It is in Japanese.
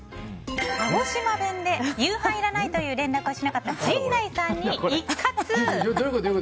鹿児島弁で夕飯いらないという連絡をしなかったどういうこと？